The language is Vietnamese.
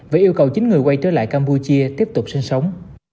và yêu cầu chín người quay trở lại campuchia tiếp tục sinh sống